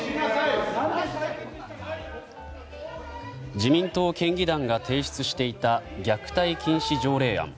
自民党県議団が提出していた虐待禁止条例案。